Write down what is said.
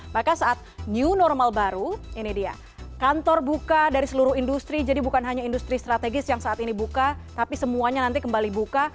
maka saat new normal baru ini dia kantor buka dari seluruh industri jadi bukan hanya industri strategis yang saat ini buka tapi semuanya nanti kembali buka